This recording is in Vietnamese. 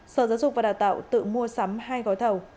sở giáo dục và đào tạo tự mua sắm hai gói thầu